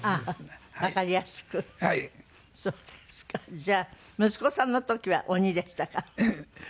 じゃあ息子さんの時は鬼でしたか？